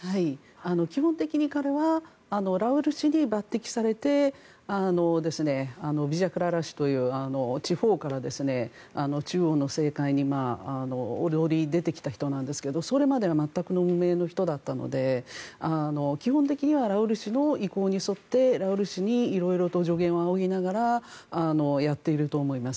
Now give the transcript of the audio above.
基本的に彼はラウル氏に抜てきされてララ氏に引っ張られて地方から中央の政界に出てきた人なんですがそれまでは全く無名の人なので基本的にはラウル氏の意向に沿ってラウル氏に助言を仰ぎながらやっていると思います。